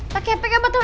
pak kepek tidak betul